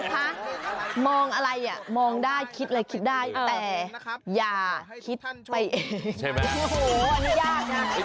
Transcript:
คุณค่ะมองอะไรอ่ะมองได้คิดอะไรคิดได้แต่อย่าคิดไปเอง